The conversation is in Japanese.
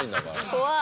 怖い！